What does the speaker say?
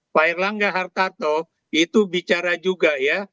pak erlangga hartarto itu bicara juga ya